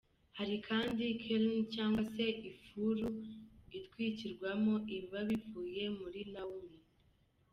Hari kandi Kiln cyangwa se ifuru itwikirwamo ibiba bivuye muri Raw mill.